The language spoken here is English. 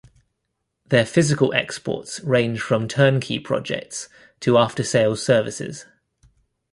Their physical exports range from turnkey projects to after sales services.